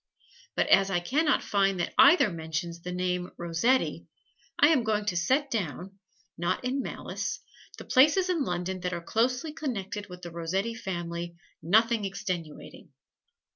But as I can not find that either mentions the name "Rossetti," I am going to set down (not in malice) the places in London that are closely connected with the Rossetti family, nothing extenuating.